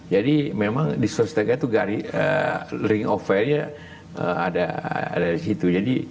jadi memang di sulawesi tengah itu ring of airnya ada di situ